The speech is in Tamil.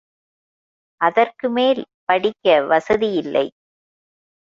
அதற்கு மேல் படிக்க வசதி இல்லை.